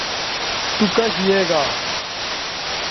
تو کش یے گا